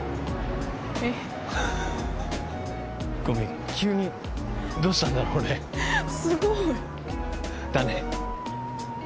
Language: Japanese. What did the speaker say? ごめん急にどうしたんだろう俺すごい！だね